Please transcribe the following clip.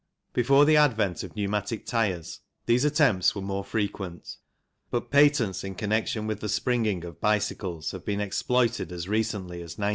Before the advent of pneumatic tyres these attempts were more frequent, but patents in connection with the springing of bicycles have been exploited as recently as 1902 3.